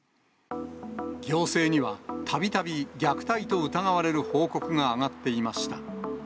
行政にはたびたび、虐待と疑われる報告が上がっていました。